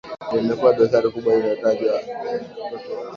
ndiyo imekuwa dosari kubwa inaotajwa kutokea